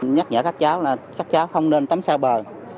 nhắc nhở các cháu là các cháu không nên tắm xa bờ